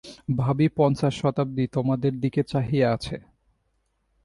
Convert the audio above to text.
ভাবী পঞ্চাশ শতাব্দী তোমাদের দিকে চাহিয়া আছে।